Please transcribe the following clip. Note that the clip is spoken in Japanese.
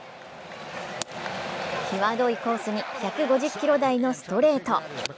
際どいコースに１５０キロ台のストレート。